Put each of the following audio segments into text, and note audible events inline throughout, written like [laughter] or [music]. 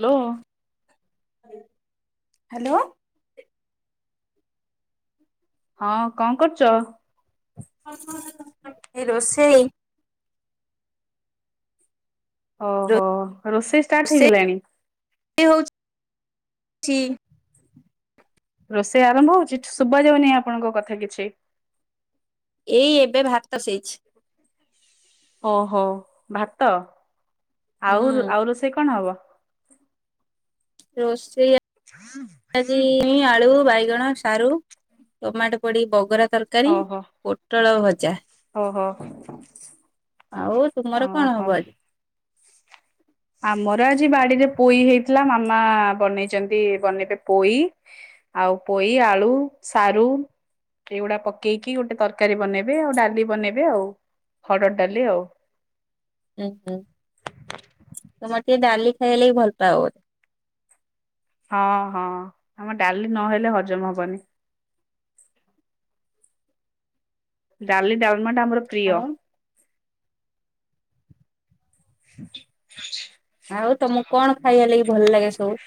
Hello. Hello. ହଁ କଣ କରୁଚ? ଏଇ ରୋଷେଇ। ଓହୋ ରୋଷେଇ ଷ୍ଟାର୍ଟ ହେଇଗଲାଣି? ହଉଚି [unintelligible] ରୋଷେଇ ଆରମ୍ଭ ହଉଚି ଶୁଭାଯାଉନି ଆପଣଙ୍କ କଥା କିଛି? ଏଇ ଏବେ ଭାତ ସେଇଚି। ଓହୋ ଭାତ ହୁଁ ଆଉ ଆଉ ରୋଷେଇ କଣ ହବ? ରୋଷେଇ ଆଜି ଛୁଇଁ, ଆଳୁ ବାଇଗଣ, ସାରୁ, ଟମାଟୋ ପଡ଼ି ବଘରା ତରକାରୀ ଓହୋ ପୋ ପୋଟଳ ଭଜା। ଓହୋ ଓହୋ। ଆଉ ତୁମର କଣ ହବ ଆଜି? ଆମର ଆଜି ବାଡ଼ିରେ ପୋଇ ହେଇଥିଲା, ମାମା ବନେଇଛନ୍ତି ବନେଇବେ ପୋଇ ଆଉ ପୋଇ, ଆଳୁ, ସାରୁ ଏଇଗୁଡ଼ା ପକେଇକି ଗୋଟେ ତରକାରୀ ବନେଇବେ, ଆଉ ଡାଲି ବନେଇବେ, ଆଉ ହରଡ ଡାଲି ଆଉ। ଉୁଁ ହୁଁ ତମର ଟିକେ ଡାଲି ଖାଇଲେବିି ଭଲ ପାଅ ବୋଧେ? ହଁ ହଁ ଆମ ଡ଼ାଲି ନହେଲେ ହଜମ ହବନି। ଡ଼ାଲି, ଡ଼ାଲମାଟା, ଆମର ପ୍ରିୟ। ଆଉ [inaudible] ଆଉ ତମକୁ କଣ ଖାଇବା ଲାଗି ଭଲ ଲାଗେ ସବୁ?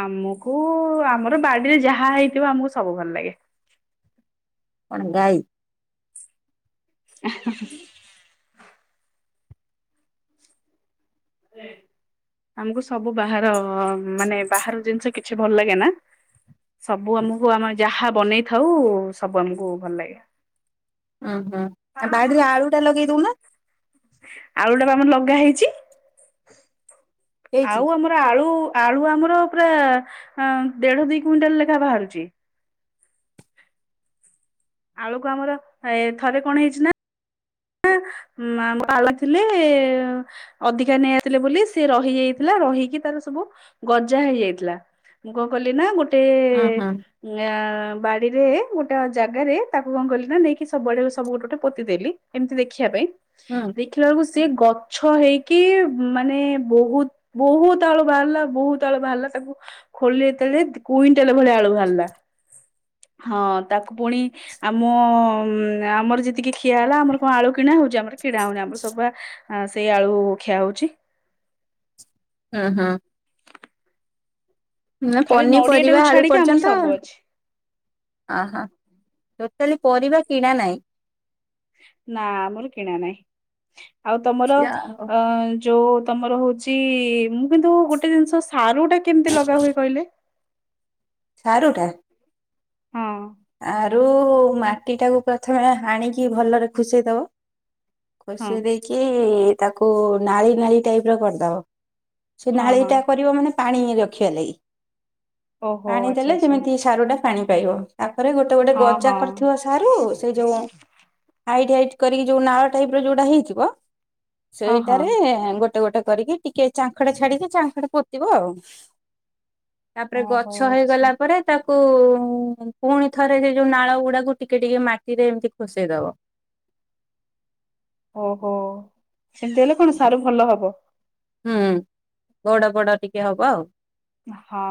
ଆମକୁ ଆମର ବାଡ଼ିରେ ଯାହା ହେଇଥିବ ଆମକୁ ସବୁ ଭଲ ଲାଗେ। କଣ ଗାଈ ଆ ହା ହା। ଆମକୁ ସବୁ ବାହାର ମାନେ ବାହାର ଜିନିଷ କିଛି ଭଲ ଲାଗେ ନା। ସବୁ ଆମୁକୁ ଆମର ଯାହା ବନେଇଥାଉ ସବୁ ଆମୁକୁ ଭଲ ଲାଗେ। ଅହଁ ଆଉ ବାଡିରେ ଆଳୁଟା ଲଗେଇ ଦୋଉନ। ଆଳୁଟା ପା ଆମର ଲଗା ହେଇଚି। ହେଇଛି। ଆଉ ଆମର ଆଳୁ ଆଳୁ ଆମର ପୁରା ଆଁ ଦେଢ ଦୁଇ କୁଇଣ୍ଟାଲ ଲେଖାଁ ବାହାରୁଚି। ଆଳୁକୁ ଆମର ଏ ଥରେ କଣ ହେଇଚି ନା ନା ଉଁ ମା ମୋ ପା ଆଳୁ ଆଣିଥିଲେ ଅଧିକା ନେଇ ଆସିଲେ ବୋଲି ସିଏ ରହିଯାଇଥିଲା ରହିକି ତାର ସବୁ ଗଜା ହେଇଯାଇଥିଲା। ମୁଁ କଣ କଲିିନା ଗୋଟେ ଉଁ ହୁଁ ଆଁ ବାଡିରେ ଗୋଟାକ ଜାଗାରେ ତାକୁ କଣ କଲି ନା ନେଇକି ସବୁଡଆ ସବୁ ଗୋଟେ ଗୋଟେ ପୋତିଦେଲି ଏମିତି ଦେଖ ଖିବା ପାଇଁ ହୁଁ ଦେଖିଲା ବେଳକୁ ସିଏ ଗଛ ହେଇକି ମାନେ ବୋହୁତ ବୋହୁତ ଆଳୁ ବାହାରିଲା ବୋହୁତ ଆଳୁ ବାହାରିଲା ତାକୁ ଖୋଳିଲେ ଯେତେବେଳେ ଦି କୁଇଣ୍ଟାଲ ଭଳିଆ ଆଳୁ ବାହାରିଲା। ହଁ ତାକୁ ପୁଣି ଆମ ଆମର ଯେତିକି ଖିଆ ହେଲା ଆମର କଣ ଆଳୁ କିଣା ହୋଉଚି ଆମର କିଣା ହୋଉନି ଆମର ସବୁ ଆ ଆଁ ସେଇ ଆଳୁ ଖିଆ ହୋଉଚି। ଉଁ ହୁଁ। ନା ଖାଲି ନଡିଆ ଟାକୁ ପନିପରିବା ଆଳୁ ଛାଡିକି ଆମର ପର୍ଯ୍ୟନ୍ତ ସବୁ ଅଛି। ଅହ ଟୋଟାଲି ପରିବା କିଣା ନାହିଁ। ନା ଆମର କିଣା ନାଇଁ ଆଉ ତମର ଅ ଯୋଉ ତମର ହୋଉଚି ମୁଁ କିନ୍ତୁ ଗୋଟେ ଜିନିଷ ସାରୁଟା କେମତି ଲଗା ହୁଏ କହିଲେ। ସାରୁଟା? ହଁ। ଆରୁ ମାଟିଟାକୁ ପ୍ରଥମେ ହାଣିକି ଭଲରେ ଖୁସେଇଦବ। ହଁ ଖୋଷେଇ ଦେଇକି ତାକୁ ନାଳି ନାଳି ଟାଇପର କରିଦବ। ସେ ହଁ ହଁ ନାଳିଟା କରିବ ମାନେ ପାଣି ରଖିବା ଲାଗି ଓହୋ ପାଣି ଆଚ୍ଛା ଦେଲେ ଆଚ୍ଛା ଯେମିତି ସାରୁଟା ପାଣି ପାଇବ ତାପରେ ଗୋଟେ ଗୋଟେ ହଁ ଗଜା ହଁ କରିଥିବା ସାରୁ ସେଇ ଯୋଉ ହାଇଟ୍ ହାଇଟ୍ କରିକି ଯୋଉ ନାଳ ଟାଇପର ଯୋଉଟା ହେଇଥିବ ହଁ ହଁ ସେଇଟାରେ ଗୋଟେ ଗୋଟେ କରିକି ଟିକେ ଚାଙ୍ଖଡେ ଛାଡିକି ଚାଙ୍ଖଡେ ପୋତିବ ଆଉ। ତାପରେ ଓହୋ ଗଛ ଆଚ୍ଛା ହେଇଗଲା ପରେ ତାକୁ ପୁଣି ଥରେ ସେଇ ଯୋଉ ନାଳଗୁଡାକୁ ଟିକେ ଟିକେ ମାଟିରେ ଏମତି ଖୁସେଇଦବ। ଓହୋ ସେମତି ହେଲେ କଣ ସାରୁ ଭଲ ହବ। ହୁଁ ବଡ ବଡ ଟିକେ ହବ ଆଉ। ଆହଁ।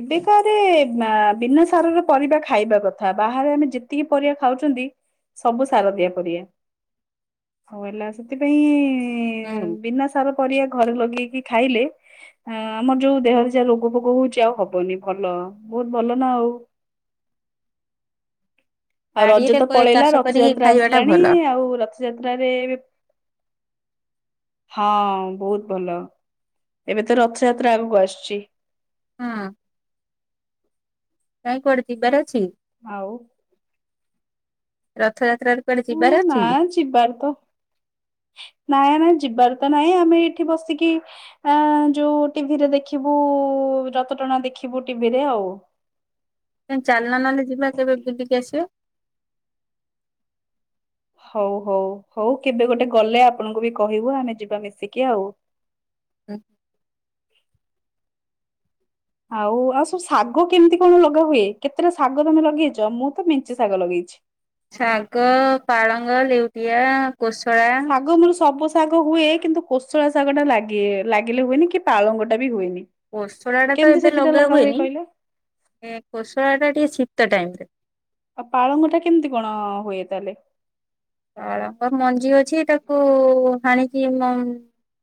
ଏବେକାରେ ବିନା ମା ସାରର ପରିବା ଖାଇବା କଥା ବାହାରେ ଆମେ ଯେତିକି ପରିବା ଖାଉଚନ୍ତି ସବୁ ସାର ଦିଆ ପରବା ଆଉ ହେଲା ସେଥିପାଇଁ ହୁଁ ବିନା ସା ସାର ପରିବା ଘରେ ଲଗେଇକି ଖାଇଲେ ଆ ଆମର ଯୋଉ ଦେହରେ ଯାହା ରୋଗ ଫୋଗ ହୋଉଚି ଆଉ ହବନି ଭଲ ବୋହୁତ ଭଲ ନା ଆଉ। ଆଉ ରଜ ବାଡିରେ ତ ପଳେଇଲା ଚାଷ କରିକି ରଥଯାତ୍ରା ଖାଇବା ଟା ଆସିଲାଣି ଭଲ ଆଉ ରଥ ଯାତ୍ରାରେ ଏବେ ହଁ ବୋହୁତ ଭଲ। ଏବେ ତ ରଥଯାତ୍ରା ଆଗକୁ ଆସୁଚି। ହୁଁ। ନାଇଁ କୁଆଡ଼େ ଯିବାର ଅଛିକି? ଆଉ? ରଥଯାତ୍ରାରେ କୁଆଡେ ହଁ ଯିବାର ନା ଅଛି? ଯିବାର ତ ନାଇଁ ଆମର ଯିବାର ତ ନାଇଁ ଆମେ ଏଇଠି ବସିକି ଆଁ ଯୋଉ ଟିଭିରେ ଦେଖିବୁ ରଥଟଣା ଦେଖିବୁ ଟିଭିରେ ଆଉ। କାଇଁ ଚାଲୁନ ନହଲେ ଯିବା କେବେ ବୁଲିକି ଆସିବା। ହୋଉ ହୋଉ ହୋଉ କେବେ ଗୋଟେ ଗଲେ ଆପଣଙ୍କୁ ବି କହିବୁ ଆମେ ଯିବା ମିଶିକି ଆଉ। ହଁ। ଆଉ ଆଉ ସବୁ ଶାଗ କେମିତି କଣ ଲଗା ହୁଏ? କେତେଟା ଶାଗ ତୋମେ ଲଗେଇଚ? ମୁଁ ତ ମେଞ୍ଚେ ଶାଗ ଲଗେଇଛି। ଶାଗ ପାଳଙ୍ଗ, ଲେଉଟିଆ, କୋଶଳା। ଶାଗ ମୋର ସବୁ ଶାଗ ହୁଏ କିନ୍ତୁ କୋଶଳା ଶାଗ ଟା ଲାଗେ ଲାଗିଲେ ହୁଏନି। କି ପାଳଙ୍ଗ ଟା ବି ହୁଏନି। କୋଶଳା ଟା ତ କେମିତି ଏବେ ସେ ଦିଟା ଲଗା ହୁଏ ହୁଏନି। କହିଲେ ଏ କୋଶଳା ଟା ଟିକେ ଶୀତ ଟାଇମ୍ ରେ। ଆଉ ପାଳଙ୍ଗ ଟା କେମିତି କଣ ହୁଏ ତାହେଲେ? ପାଳଙ୍ଗ ମଞ୍ଜି ଅଛି ତାକୁ ହାଣିକି ମମ୍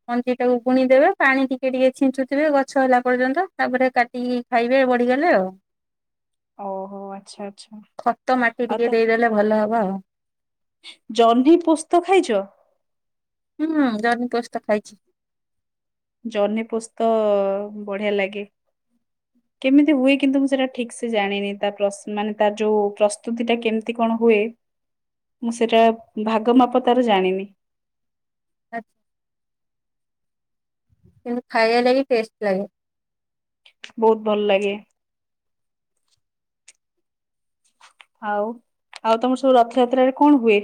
ମଞ୍ଜି ଟାକୁ ବୁଣିଦେବେ ପାଣି ଟିକେ ଟିକେ ଛିଞ୍ଚୁଥିବେ ଗଛ ହେଲା ପର୍ଯ୍ୟନ୍ତ। ତାପରେ କାଟିକି ଖାଇବେ ବଢିଗଲେ ଆଉ। ଓହୋ, ଆଚ୍ଛା, ଆଚ୍ଛା ଖତ ମାଟି ଆଉ ଟିକେ ତ ଦେଇଦେଲେ ଭଲ ହବ। ଜହ୍ନି ପୋସ୍ତ ଖାଇଛ? ହଁ ଜହ୍ନି ପୋସ୍ତ ଖାଇଛି। ଜହ୍ନି ପୁସ୍ତ ବଢ଼ିଆ ଲାଗେ। କେମିତି ହୁଏ କିନ୍ତୁ ମୁଁ ସେଟା ଠିକ ସେ ଜାଣିନି, ତା ପ୍ରସ୍ ମାନେ ତା ଯୋଉ ପ୍ରସ୍ତୁତି ଟା କେମିତି କଣ ହୁଏ। ମୁଁ ସେଟା ଭାଗ ମାପ ତାର ଜାଣିନି। ଆଚ୍ଛା। କିନ୍ତୁ ଖାଇବା ଲାଗି ଟେଷ୍ଟ ଲାଗେ। ବହୁତ ଭଲ ଲାଗେ। ଆଉ ଆଉ ତୋମର ସବୁ ରଥଯାତ୍ରାରେ କଣ ହୁଏ?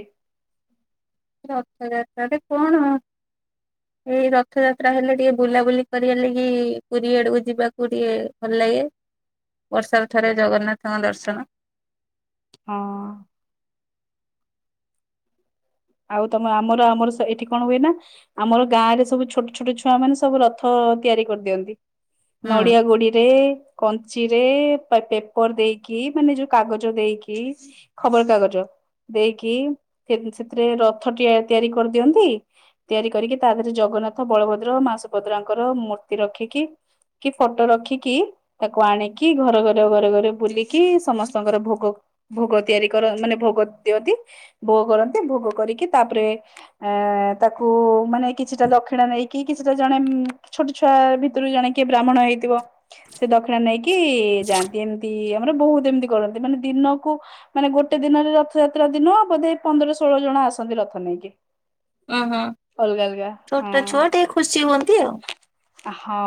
ରଥଯାତ୍ରା ରେ କଣ? [inaudible] ଏଇ ରଥ ଯାତ୍ରା ହେଲେ ଟିକେ ବୁଲାବୁଲି କରିବା ଲାଗି ପୁରୀ ଆଡକୁ ଯିବାକୁ ଟିକେ ଭଲ ଲାଗେ। ବର୍ଷ ରେ ଥରେ ଜଗନ୍ନାଥଙ୍କ ଦର୍ଶନ। ହଁ। ଆଉ ତୋମ ଆମର ଆମର ସେ ଏଠି କଣ ହୁଏ ନା ଆମର ଗାଁ ରେ ସବୁ ଛୋଟ ଛୋଟ ଛୁଆ ମାନେ ସବୁ ରଥ ତିଆରି କରିଦିଅନ୍ତି। ହୁଁ। ନଡିଆ ଗୋଡିରେ କଞ୍ଚିରେ ପା-ପେପର ଦେଇକି ମାନେ ଯୋଉ କାଗଜ ଦେଇକି ଖବର କାଗଜ ଦେଇକି, ସେ- ସେଥିରେ ରଥ ଟିଆ ତିଆରି କରିଦିଅନ୍ତି। ତିଆରି କରିକି ତା ଦେହରେ ଜଗନ୍ନାଥ ବଳଭଦ୍ର ମା ସୁଭଦ୍ରାଙ୍କର ମୂର୍ତ୍ତି ରଖିକି କି ଫଟୋ ରଖିକି। ତାକୁ ଆଣିକି ଘର ଘର ଘରେ ଘରେ ବୁଲିକି ସମସ୍ତଙ୍କର ଭୋଗ ଭୋଗ ତିଆରି କର, ମାନେ ଭୋଗ ଦିଅନ୍ତି, ଭୋଗ କରନ୍ତି, ଭୋଗ କରିକି। ତାପରେ ଏ, ତାକୁ ମାନେ କିଛିଟା ଦକ୍ଷିଣା ନେଇକି କିଛିଟା ଜଣେ ଉଁ, ଛୋଟ ଛୁଆ ଭିତରୁ ଜାଣେ କିଏ ବ୍ରାହ୍ମଣ ହେଇଥିବ, ସେ ଦକ୍ଷିଣା ନେଇକି ଯାଆନ୍ତି ଏମତି ତି ଆମର ବହୁତ ଏମିତି କରନ୍ତି ମାନେ ଦିନକୁ ମାନେ ଗୋଟେ ଦିନରେ ରଥଯାତ୍ରା ଦିନ ବୋଧେ ପନ୍ଦର ଷୋ ଷୋଳ ଜଣ ଆସନ୍ତି ରଥ ନେଇକି। ଓହୋ, ଅଲଗା ଅଲଗା ଛୋଟ ଛୁଆ ହଁ ଟିକେ ଖୁସି ହୁଅନ୍ତି ଆଉ। ହଁ।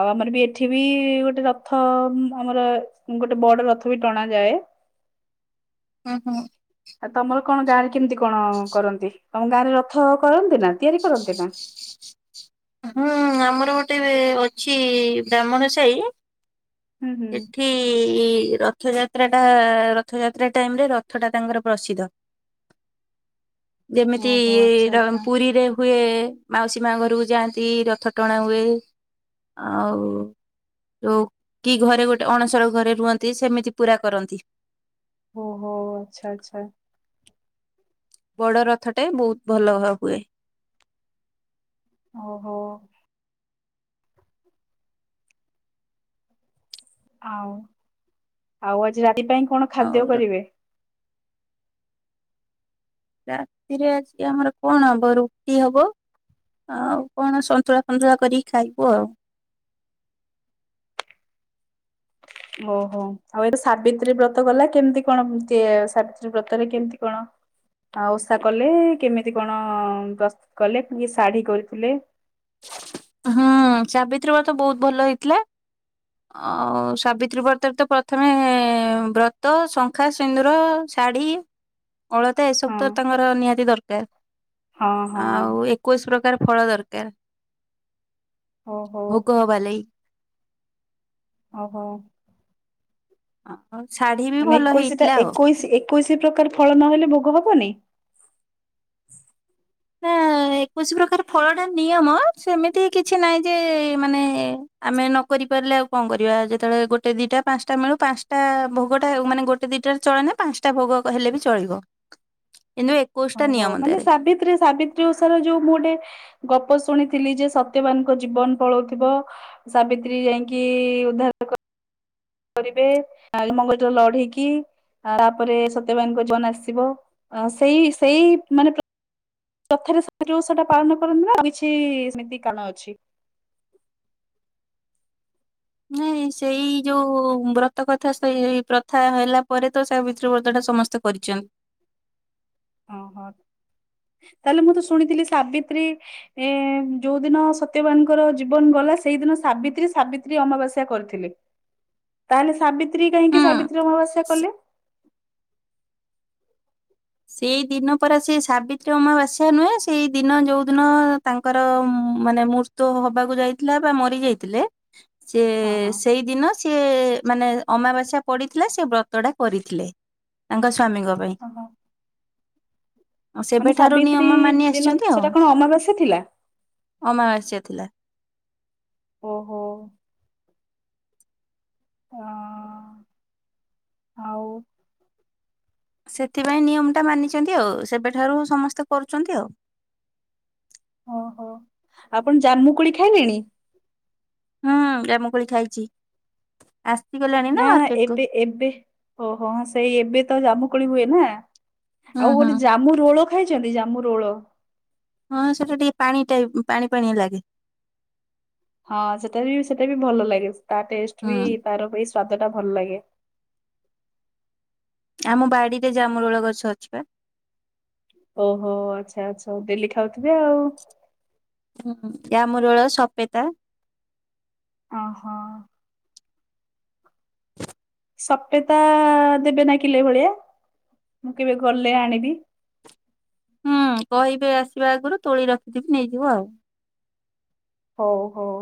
ଆଉ ଆମର ବି ଏଠି ବି ଗୋଟେ ରଥ ଉଁ, ଆମର ଗୋଟେ ବଡ ରଥ ବି ଟଣାଯାଏ। [inaudible] ହଁ, ହଁ। ଆ, ତୋମର କଣ ଗାଁ ରେ କେମିତି କଣ କରନ୍ତି? ତୋମ ଗାଁ ରେ ରଥ କରନ୍ତି ନା ତିଆରି କରନ୍ତି ନା? ହୁଁ, ଆମର ଗୋଟେ ବେ ଅଛି ବ୍ରାହ୍ମଣ ସାଇ ହୁଁ ଏଠି ହୁଁ ଠି ରଥଯାତ୍ରା ଟା ରଥଯାତ୍ରା ଟାଇମୂ ରେ ରଥ ଟା ତାଙ୍କର ପ୍ରସିଦ୍ଧ। ଯେମିତି ଓହୋ ଇଏ ଆଚ୍ଛା ର- ଆଚ୍ଛା ପୁରୀରେ ହୁଏ ମାଉସୀ ମା ଘରୁକୁ ଯାଆନ୍ ଚି, ରଥ ଟଣା ହୁଏ, ଆଉ ଯୋଉ କି ଘରେ ଗୋଟେ ଅଣସର ଘରେ ରୁହନ୍ତି, ସେମିତି ପୁରା କରନ୍ତି। ଓହୋ ଆଚ୍ଛା ଆଚ୍ଛା। ବଡ଼ ରଥଟେ ବୋହୁତ ଭଲ ହ ହୁଏ। ଓହୋ। ଆଉ ଆଉ ଆଜି ରାତି ପାଇଁ କଣ ଆଉ ଖାଦ୍ୟ ର- କରିବେ? ରାତିରେ ଆଜି ଆମର କଣ ହବ ରୁଟି ହବ। ଆଉ କଣ ସନ୍ତୁଳା ଫନ୍ତୁଳା କରିକି ଖାଇବୁ ଆଉ ଓହୋ ଆଉ ଏବ୍ ସାବିତ୍ରୀ ବ୍ରତ ଗଲା କେମ୍ତି କଣ ବୁଚେ ଏ ସାବିତ୍ରୀ ବ୍ରତରେ କେମତି କଣ? ଆ ଓଷା କଲେ ଏ କେମିତି କଣ ଅ ପ୍ରସ୍ତୁତ କଲେ କି ଶାଢୀ କରିଥିଲେ? ହଁଅ, ସାବିତ୍ରୀ ବ୍ରତ ବହୁତ ଭଲ ହେଇଥିଲା। ଅ ଅ ସାବିତ୍ରୀ ବ୍ରତରେ ତ ପ୍ରଥମେ ଏ ବ୍ରତ ଶଙ୍ଖା, ସିନ୍ଦୁର ଶାଢ଼ୀ, ଅଳତା ଏସବୁ ହଁ ତ ତାଙ୍କର ନିହାତି ଦର୍କାର ହଁ ହଁ ଆଉ ଏ କୋଉ ଷୋଳକାର ଫଳ ଦରକାର। ଓହୋ। ଭୋଗ ହବା ଲେଇ। ଓହୋ। ଆଁ ଅ ଶାଢୀ ବି ମାନେ ଭଲ ଏକୋଇଶିଟା ହେଇଥିଲା ଆଉ ଏକୋଇଶି ଏକୋଇଶି ପ୍ରକାର ଫଳ ନହେଲେ ଭୋଗ ହବନି। ନାଁ-ଆ ଏକୋଇଶି ପ୍ରକାର ଫଳଟା ନିୟମ ସେମିତି କିଛି ନାହିଁ ଯେ ଏ ମାନେ ଆମେ ନ କରି ପାରିଲେ ଆଉ କଁ କରିବା ଯେତଳେ ଗୋଟେ ଦିଟା ପାଞ୍ଚଟା ମିଳୁ ପାଞ୍ଚଟା-ଆ ଭୋଗଟା ଉ-ମାନେ ଗୋ ଟେ ଦିଟାରେ ଚଳେନା ପାଞ୍ଚଟା ଭୋଗ ହେଲେ ବି ଚଳିବ, କିନ୍ତୁ ଏ ଓହୋ ମାନେ ସାବିତ୍ରୀ ସାବି ଯୋଉ ସାରା ଯୋଉ ମୁଁ ଗୋଟେ ଗପ ଶୁଣିଥିଲି ଯେ ସତ୍ୟବାନଙ୍କ ଜୀବନ ପଳଉଥିବ ସାବିତ୍ରୀ ଯାଇଙ୍କି ଉଦ୍ଧାର କ କରିବେ ଆଇମଙ୍ଗଜ ଲଢିକି ଆପରେ ସତ୍ୟବାନଙ୍କ ଜୀବନ ଆସିବ ଅ ସେଇ ସେଇ ମାନେ ପ୍ର ତଥାରେ ସେ ଯୋଉ ସେଟା ପାଳନ କରନ୍ତି ନା ଆଉ କିଛି-ଇ ସେମିତି କାନ ଅଛି? ନାଇଁ ସେଇ ଯୋଉ ବ୍ରତ କଥା ସେଇ ପ୍ରଥା ହେଲା ପରେ ତ ସାବିତ୍ରୀ ବ୍ରତ ଟା ସମସ୍ତେ କରିଚନ୍। ଓହୋ, ତାଏଲେ ମୁଁ ତ ଶୁଣିଥିଲି ସାବିତ୍ରୀ ଏ-ଏ ଯୋଉ ଦିନ ସତ୍ୟବାନଙ୍କର ଜୀବନ ଗଲା ସେଇଦିନ ସାବିତ୍ରୀ ସାବିତ୍ରୀ ଅମାବାସ୍ୟା କରିଥିଲେ। ତାହେଲେ ସାବିତ୍ରୀ କାହିଁକି ହୁଁ। ସାବିତ୍ରୀ ଅମାବାସ୍ୟା ସେ- କଲେ? ସେଇ ଦିନ ପରା ସିଏ ସାବିତ୍ରୀ ଅମାବାସ୍ୟା ନୁହେଁ ସେଇ ଦିନ ଯୋଉ ଦିନ ତାଙ୍କର ମାନେ ମୁର୍ ତୋ ହବାକୁ ଯାଇଥିଲା ବା ମରି ଯାଇଥିଲେ। ସିଏ ହଁ ହଁ ସେଇଦିନ ସିଏ ମାନେ ଅମାବାସ୍ୟା ପଡିଥିଲା ସେ ବ୍ର ତଟା କରିଥିଲେ, ତାଙ୍କ ସ୍ଵାମୀଙ୍କ ପାଇଁ। ଓହୋ ଅଁ ମାନେ ସେବେଠାରୁ ସାବିତ୍ରୀ ନିୟମ ମାନି ଦିନ ଆସିଚନ୍ତି ସେଟା ଆଉ କଣ ଅମାବାସ୍ୟା ଥିଲା? ଅମାବାସ୍ୟା ଥିଲା। ଓହୋ। ଅଁ ଆଉ ସେଥିପାଇଁ ନିୟମଟା ମାନିଚନ୍ତି ଆଉ ସେବେଠାରୁ ସମସ୍ତେ କରୁଚନ୍ତି ଆଉ ଓହୋ, ଆପଣ ଜାମୁ କୋଳି ଖାଇଲେଣି? ହୁଁ ଜାମୁକୋଳି ଖାଇଚି ଆସ୍ ନା ନା ଏବେ ଏବେ। ଓହୋଁ ସେଇ ଏବେ ତ ଜାମୁ କୋଳି ହୁଏ ନା ହୁଁ ଆଉ ହୁଁ। ଗୋଟେ ଜାମୁ ରୋଳ ଖାଇଛନ୍ତି ଜାମୁ ରୋଳ ହଁ ସେଟା ଟିକେ ପାଣି ଟାଇପ ପାଣି ପାଣିଆ ଲାଗେ ହଁ ସେଟା ବି ସେଇଟା ବି ଭଲ ଲାଗେ ତା ଟେଷ୍ଟ ହୁଁ ବି ତାର ଏଇ ସ୍ଵାଦ ଟା ଭଲ ଲାଗେ ଆମ ବାଡିରେ ଯାମୁ ରୋଲ ଗଛ ଅଛି ବା ଓହୋ ଆଚ୍ଛା ଆଚ୍ଛା ହଉ ଡେଲି ଖାଉଥିବେ ଆଉ ଯାମୁରୋଳ ସପିତା ଓହୋ ସଫେତା ଦେବେ ନା କିଲେ ଭଳିଆ ମୁଁ କେବେ ଗଲେ ଆଣିବି। ହୁଁ କହିବେ ଆସିବା ଆଗରୁ ତୋଳି ରଖିଥିବି ନେଇଯିବ ଆଉ। ହୋଉ ହୋଉ।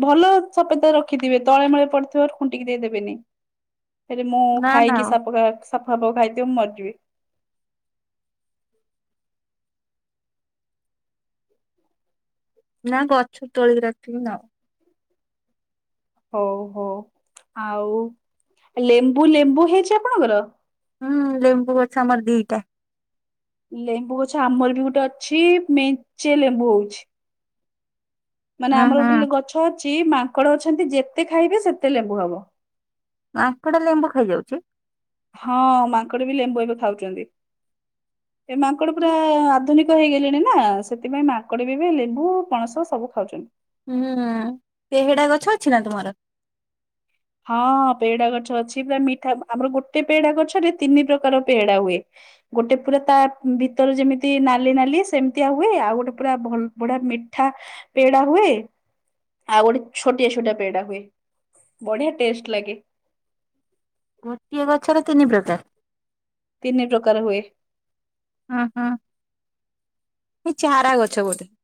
ଭଲ ସଫେତା ରଖିଥିବେ ତଳେମଳେ ପଡିଥିବା ଖୁଣ୍ଟିକି ଦେଇଦେବେନି। ହେଲେ ମୁଁ ନା ନା ଖାଇକି ସାପ କ ସାପ ଫାପ ଖାଇଥିବ ମୁଁ ମରିଯିବି। ନା ଗଛରୁ ତୋଳିକି ରଖିକି ନବ। ହୋଉ ହୋଉ ଆଉ ଲେମ୍ବୁ ଲେମ୍ବୁ ହେଇଛି ଆପଣଙ୍କର? ହୁଁ ଲେମ୍ବୁ ଗଛ ଆମର ଦିଟା। ଲେମ୍ବୁ ଗଛ ଆମର ବି ଗୋଟେ ଅଛି ମେଞ୍ଚେ ଲେମ୍ବୁ ହୋଉଛି। ମାନେ ହୁଁ ଆମର ହୁଁ। ଗୋଟେ ଲ ଗଛ ଅଛି ମାଙ୍କଡ ଅଛନ୍ତି ଯେତେ ଖାଇବେ ସେତେ ଲେମ୍ବୁ ହବ। ମାଙ୍କଡା ଲେମ୍ବୁ ଖାଇଯାଉଛି? ହଁ ମାଙ୍କଡ ବି ଲେମ୍ବୁ ଏବେ ଖାଉଛନ୍ତି। ଏ ମାଙ୍କଡ ପୁରା ଆଧୁନିକ କ ହେଇଗଲେଣିନା ସେଥିପାଇଁ ମାଙ୍କଡବି ଇ ଏବେ ଲେମ୍ବୁ ପଣସ ସବୁ ଖାଉଛନ୍ତି। ହୁଁ ପେହେଡା ଗଛ ଅଛି ନା ତୁମର? ହଁ ପେଡା ଗଛ ଅଛି। ପୁରା ମିଠା ଆମର ଗୋଟେ ପେଡ଼ା ଗଛରେ ତିନି ପ୍ରକାର ପେଡା ହୁଏ। ଗୋଟେ ପୁରା ତା ଭିତରେ ଯେମିତି ନାଲି ନାଲି ସେମିତିଆ ହୁଏ ଆଉ ଗୋଟେ ପୁରା ଭଲ ଭଢୀଆ ମିଠା। ପେଡା ହୁଏ। ଆଉ ଗୋଟେ ଛୋଟିଆ ଛୋଟିଆ ପେଡା ହୁଏ। ବଢିଆ ଟେଷ୍ଟ ଲାଗେ। ଗୋଟିଏ ଗଛର ତିନି ପ୍ରକାର? ତିନି ପ୍ରକାର ହୁଏ। ହଁ ହଁ ଏ ଚାରା ଗଛ ବୋଧେ।